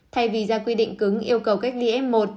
thay vì ra quy định cứng yêu cầu cách ly f một